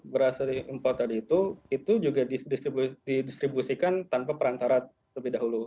beras dari impor tadi itu itu juga didistribusikan tanpa perantara lebih dahulu